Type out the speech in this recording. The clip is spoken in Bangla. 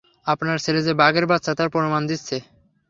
আপনার ছেলে যে বাঘের বাচ্চা তার প্রমাণ দিচ্ছে।